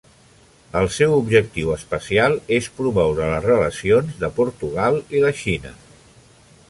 El seu objectiu especial és promoure les relacions de Portugal i la Xina.